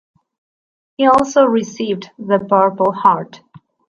He also received the Purple Heart.